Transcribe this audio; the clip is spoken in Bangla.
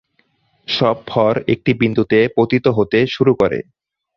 সব ভর একটি বিন্দুতে পতিত হতে শুরু করে।